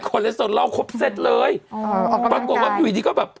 คนและส่วนเราครบเสร็จเลยอ๋อออกกำลังกายปรากฎว่าอยู่ดีนี้ก็แบบ